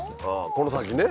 この先ね。